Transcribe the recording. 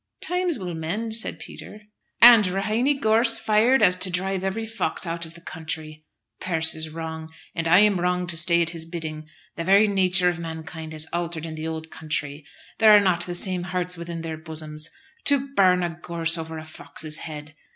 "Times will mend," said Peter. "And Raheney Gorse fired so as to drive every fox out of the country! Persse is wrong, and I am wrong to stay at his bidding. The very nature of mankind has altered in the old country. There are not the same hearts within their bosoms. To burn a gorse over a fox's head!